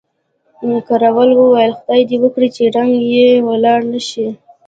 کراول وویل، خدای دې وکړي چې رنګ یې ولاړ نه شي.